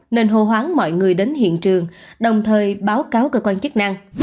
nên hô hoáng mọi người đến hiện trường đồng thời báo cáo cơ quan chức năng